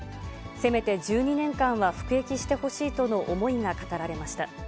せめて１２年間は服役してほしいとの思いが語られました。